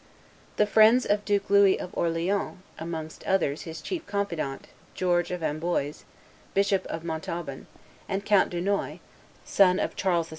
The friends of Duke Louis of Orleans, amongst others his chief confidant, George of Amboise, Bishop of Montauban, and Count Dunois, son of Charles VII.